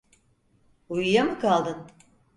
Uyuya mı kaldın?